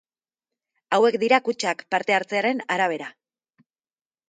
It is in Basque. Hauek dira kutxak, parte-hartzearen arabera.